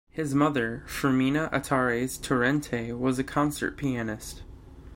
His mother, Fermina Atares Torrente, was a concert pianist.